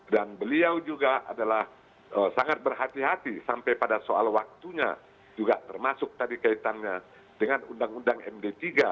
dan beliau juga adalah sangat berhati hati sampai pada soal waktunya juga termasuk tadi kaitannya dengan undang undang md tiga